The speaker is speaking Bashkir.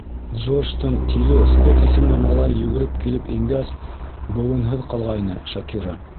Джордждың тиле Скотт исемле малайы йүгереп килеп ингәс, быуынһыҙ булғайны Шакира.